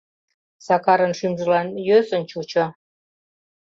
Сакарын шӱмжылан йӧсын чучо.